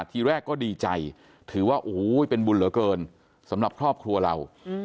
ทีแรกก็ดีใจถือว่าโอ้โหเป็นบุญเหลือเกินสำหรับครอบครัวเรา